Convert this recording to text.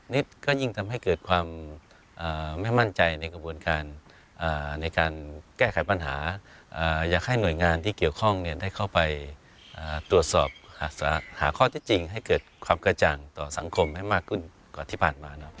ก็ยิ่งทำให้เกิดความไม่มั่นใจในกระบวนการในการแก้ไขปัญหาอยากให้หน่วยงานที่เกี่ยวข้องได้เข้าไปตรวจสอบหาข้อที่จริงให้เกิดความกระจ่างต่อสังคมให้มากขึ้นกว่าที่ผ่านมานะครับ